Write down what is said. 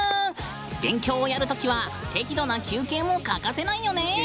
勉強をやるときは適度な休憩も欠かせないよね。